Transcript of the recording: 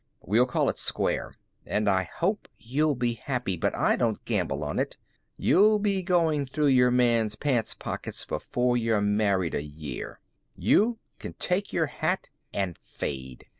We'll call it square. And I hope you'll be happy, but I don't gamble on it. You'll be goin' through your man's pants pockets before you're married a year. You can take your hat and fade.